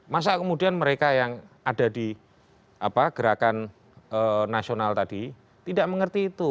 masa kemudian mereka yang ada di gerakan nasional tadi tidak mengerti itu